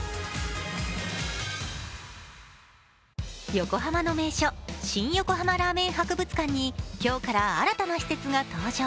横浜の名所、新横浜ラーメン博物館に、今日から新たな施設が登場。